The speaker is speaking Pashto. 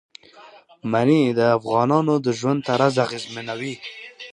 منی د افغانانو د ژوند طرز اغېزمنوي.